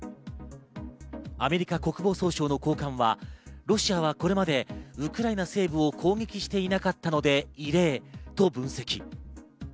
アメリカ国防総省の高官はロシアはこれまでウクライナ西部を攻撃していなかったので異例と分析。